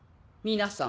皆さん